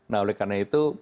nah oleh karena itu